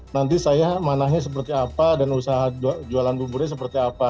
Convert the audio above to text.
nanti saya manahnya seperti apa dan usaha jualan buburnya seperti apa